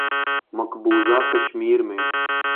مقبوضہ کشمیر میں